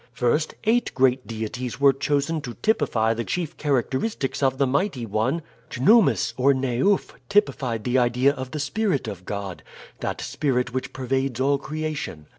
First, eight great deities were chosen to typify the chief characteristics of the Mighty One. Chnoumis, or Neuf, typified the idea of the spirit of God that spirit which pervades all creation.